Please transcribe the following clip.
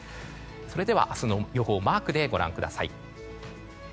それでは明日の予報をマークでご覧ください。